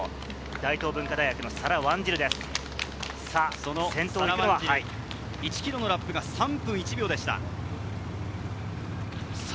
大東文化大学のサラ・ワ１ｋｍのラップが３分１秒でした。